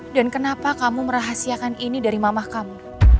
dan kenapa kamu merahasiakan ini dari mama kamu